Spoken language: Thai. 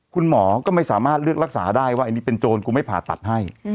คุณหมอก็ไม่สามารถเลือกรักษาได้ว่าอันนี้เป็นโจรกูไม่ผ่าตัดให้